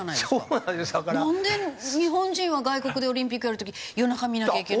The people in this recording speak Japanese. なんで日本人は外国でオリンピックやる時夜中に見なきゃいけないのに。